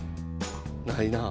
ないなあ。